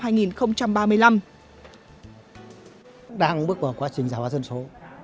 điều kiện tăng tuổi nghỉ hưu của người lao động đang bước vào quá trình giả hóa dân số